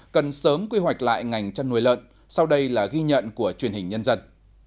cần sớm quy hoạch lại ngành chăn nuôi lợn sau đây là ghi nhận của truyền hình nhân dân